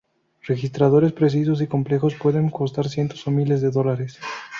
Registradores precisos y complejos pueden costar cientos o miles de dólares.